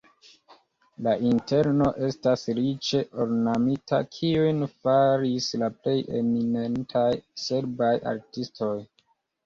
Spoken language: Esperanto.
La interno estas riĉe ornamita, kiujn faris la plej eminentaj serbaj artistoj.